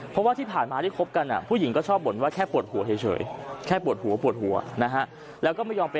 เพราะที่ผ่านมาที่เข้ากันอะผู้หญิงก็บ่นว่าแค่ปวดหัวเท่